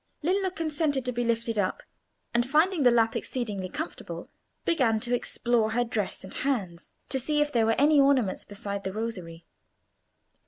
Lillo consented to be lifted up, and, finding the lap exceedingly comfortable, began to explore her dress and hands, to see if there were any ornaments beside the rosary.